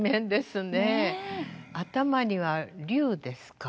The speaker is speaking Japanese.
頭には龍ですか。